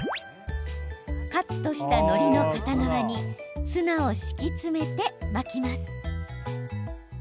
カットした、のりの片側にツナを敷き詰めて巻きます。